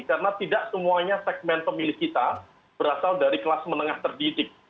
karena tidak semuanya segmen pemilik kita berasal dari kelas menengah terdidik